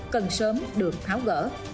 cần sớm được tháo gỡ